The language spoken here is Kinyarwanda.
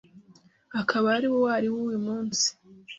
akaba ari uwo ariwe uyu munsi